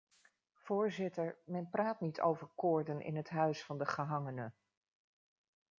Voorzitter, men praat niet over koorden in het huis van de gehangene.